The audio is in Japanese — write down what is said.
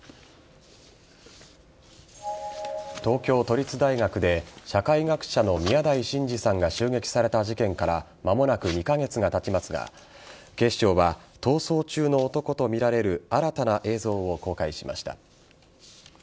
東京都立大学で社会学者の宮台真司さんが襲撃された事件から間もなく２カ月が経ちますが警視庁は逃走中の男とみられる新たな映像を公開しました。